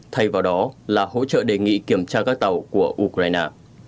thay vào đó là hỗ trợ đề nghị kiểm tra các tàu của ukraine